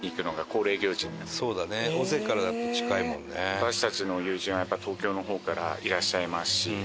私たちの友人はやっぱり東京の方からいらっしゃいますし。